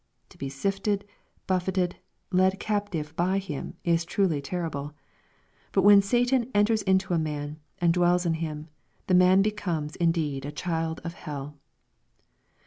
To be sifted, buffeted, led captive by him is truly terrible. But when Satan " enters into a man," and dwells in him, the man be comes indeed a child of hell.